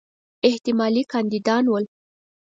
احتمالي کاندیدان ول.